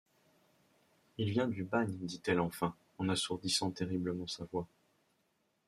Il vient du bagne, dit-elle enfin, en assourdissant terriblement sa voix.